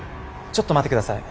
ちょっと待って下さい。